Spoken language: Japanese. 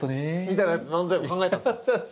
みたいなやつ漫才を考えたんですよ。